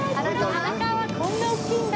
荒川はこんな大きいんだ。